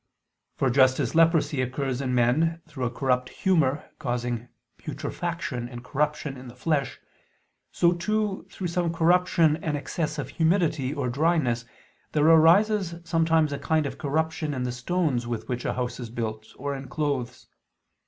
For just as leprosy occurs in men through a corrupt humor causing putrefaction and corruption in the flesh; so, too, through some corruption and excess of humidity or dryness, there arises sometimes a kind of corruption in the stones with which a house is built, or in clothes.